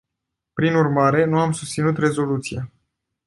Prin urmare, nu am susținut rezoluția.